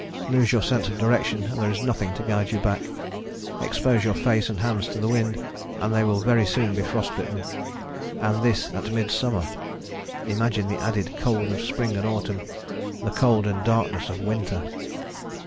Lose your sense of direction and there is nothing to guide you back. Expose your face and hands to the wind, and they will very soon be frost bitten. And this at midsummer. Imagine the added cold of spring and autumn: the cold and darkness of winter.